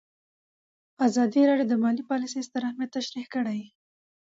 ازادي راډیو د مالي پالیسي ستر اهميت تشریح کړی.